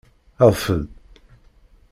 Adef-d.